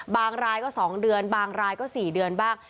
รายก็๒เดือนบางรายก็๔เดือนบ้าง